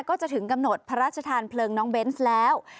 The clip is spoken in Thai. ก็จะถึงกำหนดพระราชทานเพลิงน้องเบนส์แล้ว